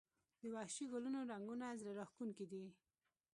د وحشي ګلونو رنګونه زړه راښکونکي دي